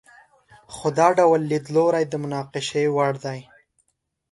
خو دا ډول لیدلوری د مناقشې وړ دی.